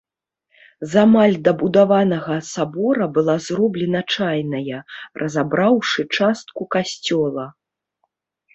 З амаль дабудаванага сабора была зроблена чайная, разабраўшы частку касцёла.